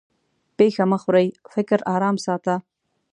پېښه مه خورې؛ فکر ارام ساته.